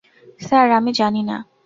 Sir, আমি জানি না।